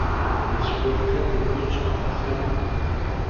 Ανασηκώθηκα και όρτσωσα τ' αυτιά μου